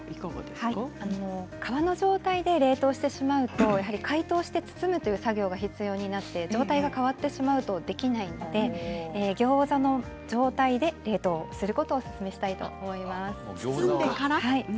皮の状態で冷凍してしまうと解凍して包むいう作業が必要になって状態が変わってできないのでギョーザの状態で冷凍することをおすすめします。